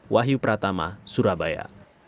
wahyu pratama surabaya